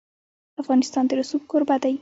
افغانستان د رسوب کوربه دی.